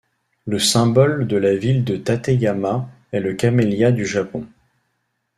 Le symbole de la ville de Tateyama est le camélia du Japon.